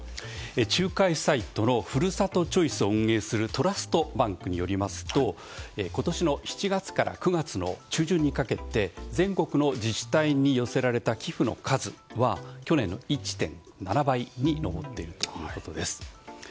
仲介サイトのふるさとちょいすを運営するトラストバンクによりますと今年の７月から９月の中旬にかけて全国の自治体に寄せられた寄付の数は去年の１．７倍に上っているということです。